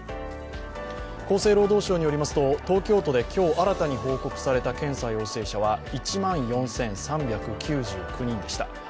厚生労働省によりますと東京都で今日新たに報告された検査陽性者は１万４３９９人でした。